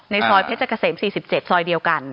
ซอยเพชรเกษม๔๗ซอยเดียวกัน